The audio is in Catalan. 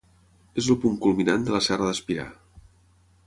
És el punt culminant de la Serra d'Espirà.